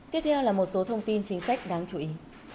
tiếp theo là một số thông tin chính sách đáng chú ý